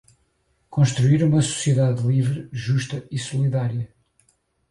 construir uma sociedade livre, justa e solidária;